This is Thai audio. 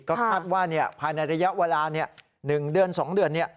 ก็คาดว่าภายในระยะเวลา๑เดือน๒เดือน